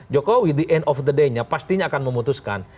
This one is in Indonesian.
jokowi the end of the day nya pastinya akan memutuskan